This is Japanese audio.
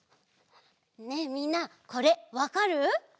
ねえみんなこれわかる？